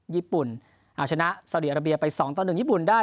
ญี่ปุ่นชนะเศรษฐศาสตร์อัลเบียร์ไป๒๑ญี่ปุ่นได้